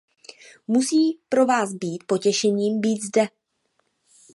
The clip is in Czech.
Musí pro vás být potěšením být zde!